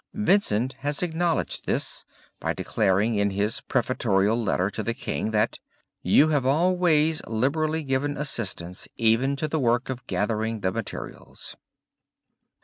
Vincent has acknowledged this by declaring in his prefatorial letter to the King that, "you have always liberally given assistance even to the work of gathering the materials."